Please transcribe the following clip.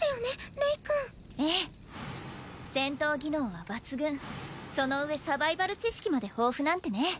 レイ君ええ戦闘技能は抜群その上サバイバル知識まで豊富なんてね